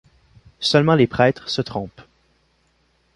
Seulement les prêtres se trompent.